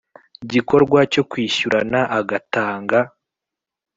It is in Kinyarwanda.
gikorwa cyo kwishyurana agatanga